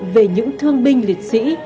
về những thương binh liệt sĩ